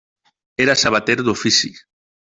Era sabater d'ofici.